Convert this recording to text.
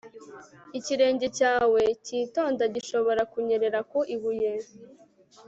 ikirenge cyawe kititonda gishobora kunyerera ku ibuye